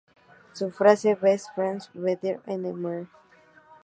Su frase ""Best friends...Better enemies"".